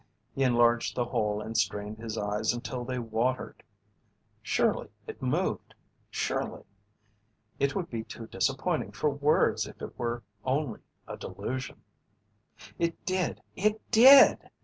He enlarged the hole and strained his eyes until they watered. Surely it moved surely. It would be too disappointing for words if it were only a delusion. It did! It did!